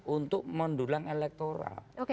untuk mendulang elektoral